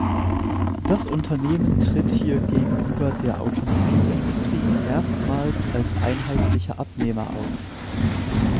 Das Unternehmen tritt hier gegenüber der Automobilindustrie erstmals als einheitlicher Abnehmer auf.